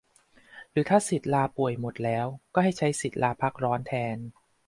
หรือถ้าสิทธิ์ลาป่วยหมดแล้วก็ให้ใช้สิทธิ์ลาพักร้อนแทน